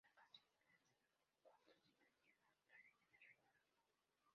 La canción fue lanzada como cuarto single en Australia y en el Reino Unido.